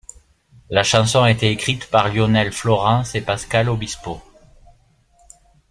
La chanson a été écrite par Lionel Florence et Pascal Obispo.